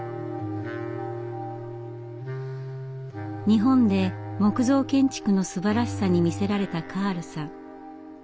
日本で木造建築のすばらしさに魅せられたカールさん。